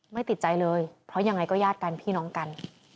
ไม่ติดใจเลยเพราะยังไงก็ญาติกันพี่น้องกัน